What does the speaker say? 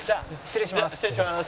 失礼します。